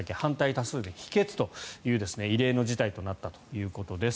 多数で否決という異例の事態となったということです。